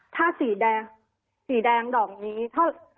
ถ้าสีแดงสีแดงดอกนี้เท่าไรค่ะ